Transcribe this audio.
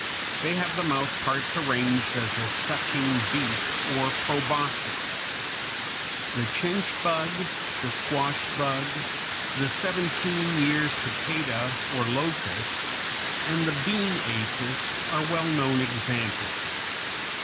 They have the mouth parts arranged as a sucking beak or proboscis. The chinch bug (Fig. 208), the squash bug (Fig. 209), the seventeen year cicada, or locust (Fig. 210), and the bean aphis (Fig. 211) are well known examples.